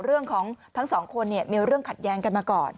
เรื่องของทั้งสองคนเนี่ยมีเรื่องขัดแย้งกันมาก่อน